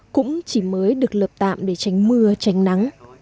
cũng chỉ mới được lợp tạm để tránh mưa tránh nắng